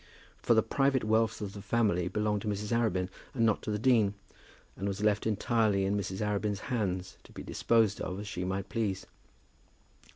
For the private wealth of the family belonged to Mrs. Arabin, and not to the dean; and was left entirely in Mrs. Arabin's hands, to be disposed of as she might please.